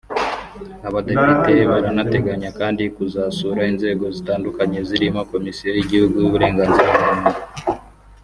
Aba badepite baranateganya kandi kuzasura inzego zitandukanye zirimo Komisiyo y’igihugu y’uburenganzira bwa muntu